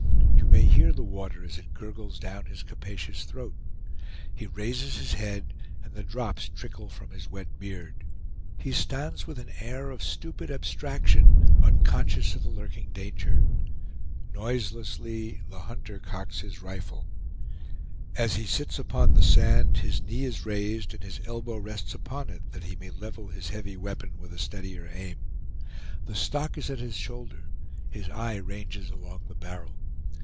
You may hear the water as it gurgles down his capacious throat. He raises his head, and the drops trickle from his wet beard. He stands with an air of stupid abstraction, unconscious of the lurking danger. Noiselessly the hunter cocks his rifle. As he sits upon the sand, his knee is raised, and his elbow rests upon it, that he may level his heavy weapon with a steadier aim. The stock is at his shoulder; his eye ranges along the barrel.